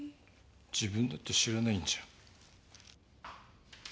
自分だって知らないんじゃん。